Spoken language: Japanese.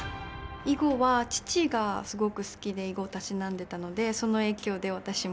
囲碁は父がすごく好きで囲碁をたしなんでたのでその影響で私も。